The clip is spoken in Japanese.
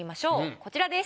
こちらです。